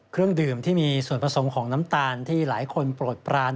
เครื่องดื่มที่มีส่วนผสมของน้ำตาลที่หลายคนโปรดปราน